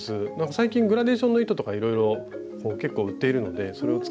最近グラデーションの糸とかいろいろ結構売っているのでそれを使って。